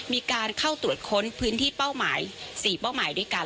มีการเข้าตรวจค้นพื้นที่เป้าหมาย๔เป้าหมายด้วยกัน